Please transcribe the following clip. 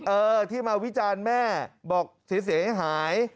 เออที่มาวิจารณ์แม่บอกเสียหาย